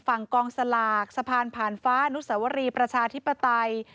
ฝั่งกองสลากสะพานผ่านฟ้าอนุสวรีประชาธิปไตย